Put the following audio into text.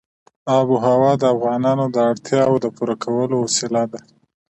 آب وهوا د افغانانو د اړتیاوو د پوره کولو وسیله ده.